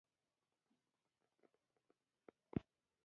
شاته بل بس هم راپسې راتاو شو.